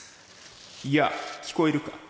「やぁ聞こえるか？」。